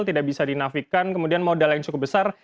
tidak bisa dinafikan kemudian modal yang cukup besar